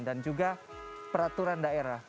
dan juga peraturan daerah